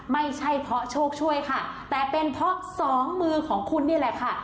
ไม่ใช่เพราะโชคช่วยค่ะแต่เป็นเพราะสองมือของคุณนี่แหละค่ะ